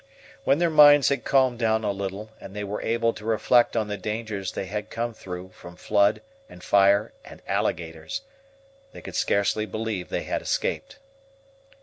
When their minds had calmed down a little, and they were able to reflect on the dangers they had come through from flood, and fire, and alligators, they could scarcely believe they had escaped.